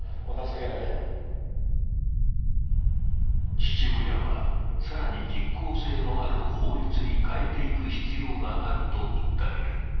父親は、更に実効性のある法律に変えていく必要があると訴える。